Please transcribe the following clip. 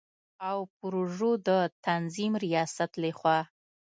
او پروژو د تنظیم ریاست له خوا